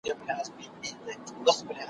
چي هر پل یې د مجنون دی نازوه مي `